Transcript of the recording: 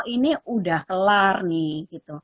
ini udah kelar nih